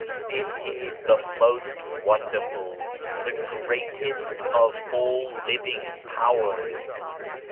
It is the most wonderful, the greatest of all living powers.